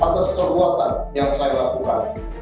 atas perbuatan yang saya lakukan